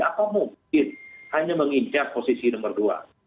atau mungkin hanya mengincar posisi nomor dua